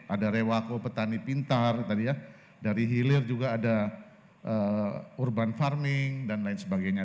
ada rewako petani pintar tadi ya dari hilir juga ada urban farming dan lain sebagainya